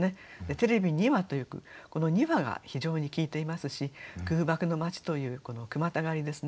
「テレビには」というこの「には」が非常に効いていますし「空爆の街」というこの句またがりですね。